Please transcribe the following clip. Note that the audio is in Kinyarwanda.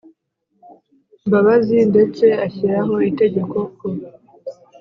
mbabazi, ndetse ashyiraho itegeko ko